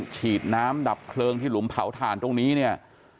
ฉีดน้ำดับเพลิงที่หลุมเผาถ่านตรงนี้เนี่ย